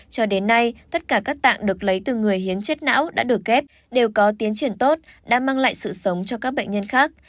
cho đến nay tất cả các tạng được lấy từ người hiến chết não đã được kép đều có tiến triển tốt đã mang lại sự sống cho các bệnh nhân khác